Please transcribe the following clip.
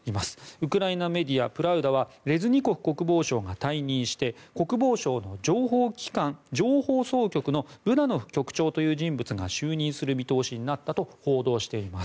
ウクライナメディア、プラウダはレズニコフ国防相が退任して国防省の情報機関情報総局のブダノフ氏という人物が就任する見通しになったと報道しています。